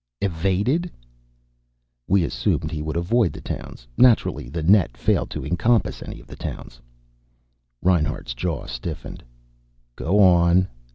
"Evaded?" "We assumed he would avoid the towns. Naturally the net failed to encompass any of the towns." Reinhart's jaw stiffened. "Go on."